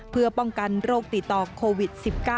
เพื่อป้องกันโรคติดต่อโควิด๑๙